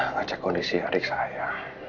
ngecek kondisi adik saya